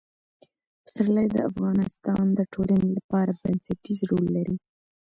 پسرلی د افغانستان د ټولنې لپاره بنسټيز رول لري.